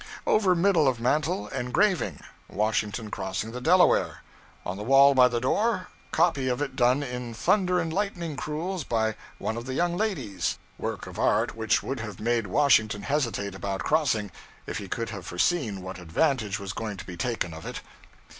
Over middle of mantel, engraving Washington Crossing the Delaware; on the wall by the door, copy of it done in thunder and lightning crewels by one of the young ladies work of art which would have made Washington hesitate about crossing, if he could have foreseen what advantage was going to be taken of it.